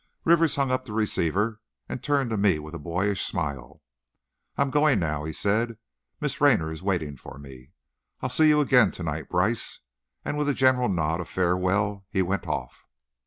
Rivers hung up the receiver, and turned to me with a boyish smile. "I'm going now," he said, "Miss Raynor is waiting for me. I'll see you again, tonight, Brice." And with a general nod of farewell he went off.